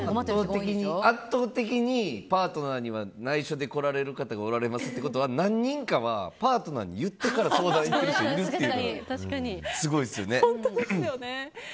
圧倒的にパートナーには内緒で来られる方がおられますってことは、何人かはパートナーに言ってから相談に行ってる人がいるんですね。